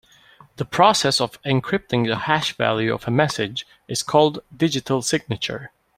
The process of encrypting the hash value of a message is called digital signature.